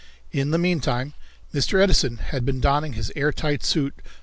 In the meantime Mr. Edison had been donning his air tight suit.